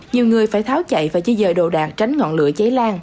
nhiều người phải tháo chạy và chia dời đồ đạc tránh ngọn lửa cháy lan